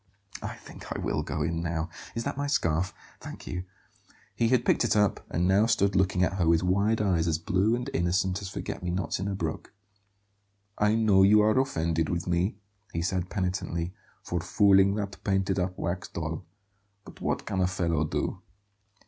"I think I will go in now. Is that my scarf? Thank you." He had picked it up, and now stood looking at her with wide eyes as blue and innocent as forget me nots in a brook. "I know you are offended with me," he said penitently, "for fooling that painted up wax doll; but what can a fellow do?"